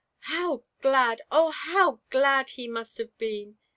" How glad — oh, how glad he must have been!"